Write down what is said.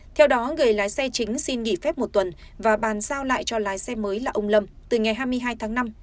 theo đó người lái xe chính xin nghỉ phép một tuần và bàn giao lại cho lái xe mới là ông lâm từ ngày hai mươi hai tháng năm